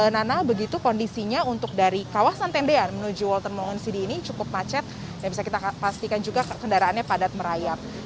nana begitu kondisinya untuk dari kawasan tendean menuju walter mongon city ini cukup macet dan bisa kita pastikan juga kendaraannya padat merayap